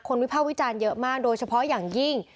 วิภาควิจารณ์เยอะมากโดยเฉพาะอย่างยิ่ง